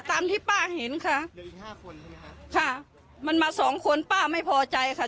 ตามที่ป้าเห็นค่ะค่ะมันมาสองคนป้าไม่พอใจค่ะ